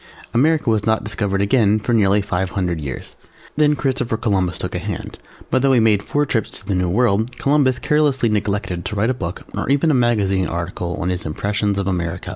America was not discovered again for nearly five hundred years. Then Christopher Columbus took a hand, but though he made four trips to the New World, Columbus carelessly neglected to write a book or even a magazine article on his Impressions of America.